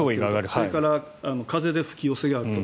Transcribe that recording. それから風で吹き寄せがあると。